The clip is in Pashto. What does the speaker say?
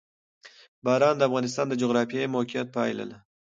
باران د افغانستان د جغرافیایي موقیعت پایله ده.